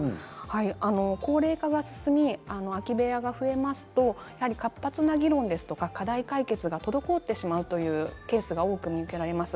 高齢化が進んで空き部屋が増えますと活発な議論ですとか課題解決が滞ってしまうというケースが多く見受けられます。